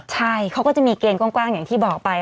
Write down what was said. ใช่เขาก็จะมีเกณฑ์กว้างอย่างที่บอกไป